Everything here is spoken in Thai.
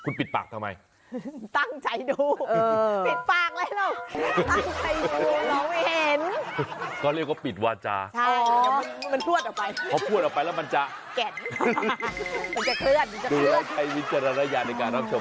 นี่เล็กนี่